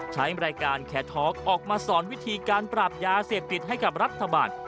ใช้รายการแคทอล์กออกมาสอนวิธีการปราบยาเสพติดให้กับรัฐบาล